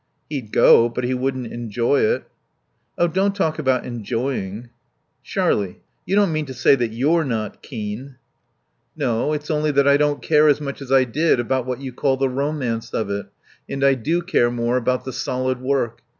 "He'd go. But he wouldn't enjoy it." "Oh, don't talk about 'enjoying.'" "Sharlie, you don't mean to say that you're not keen?" "No. It's only that I don't care as much as I did about what you call the romance of it; and I do care more about the solid work.